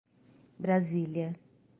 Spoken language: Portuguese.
Brasília